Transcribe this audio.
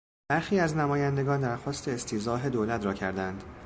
برخی از نمایندگان در خواست استیضاح دولت را کردند.